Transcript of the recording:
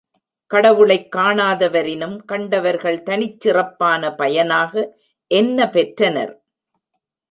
கடவுளைக் காணாதவரினும் கண்டவர்கள் தனிச்சிறப்பான பயனாக என்னபெற்றனர்?